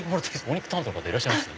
お肉担当の方いらっしゃいます？